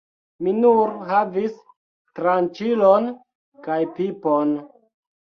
Mi nur havis tranĉilon kaj pipon.